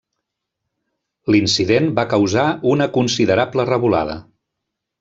L'incident va causar una considerable revolada.